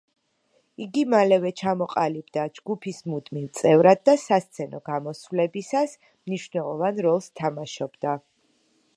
იგი მალევე ჩამოყალიბდა ჯგუფის მუდმივ წევრად და სასცენო გამოსვლებისას მნიშვნელოვან როლს თამაშობდა.